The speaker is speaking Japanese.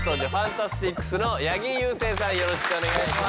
よろしくお願いします。